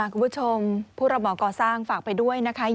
คุณผู้ชมผู้ระเหมาก่อสร้างฝากไปด้วยนะคะ